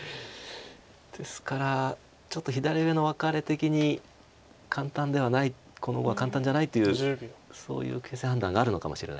ですからちょっと左上のワカレ的に簡単ではないこの碁は簡単じゃないっていうそういう形勢判断があるのかもしれないです。